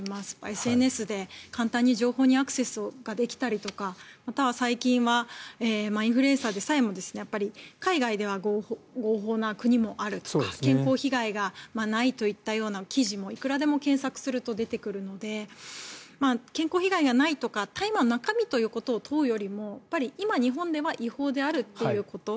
ＳＮＳで簡単に情報にアクセスできたりとかまたは、最近はインフルエンサーでさえも海外では合法な国もある健康被害がないといった記事もいくらでも検索すると出てくるので健康被害がないとか大麻の中身ということを問うよりも今、日本では違法であるっていうこと。